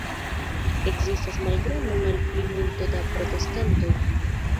Ekzistas malgranda malplimulto da protestantoj.